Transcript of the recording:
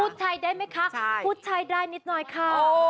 พูดไทยได้มั้ยคะพูดไทยได้นิดหน่อยค่ะ